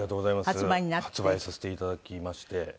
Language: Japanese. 発売させて頂きまして。